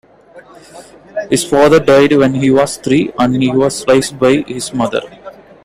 His father died when he was three, and he was raised by his mother.